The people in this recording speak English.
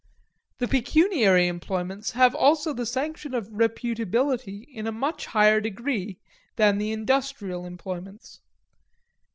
The pecuniary employments have also the sanction of reputability in a much higher degree than the industrial employments.